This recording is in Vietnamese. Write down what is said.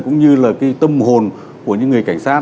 cũng như là cái tâm hồn của những người cảnh sát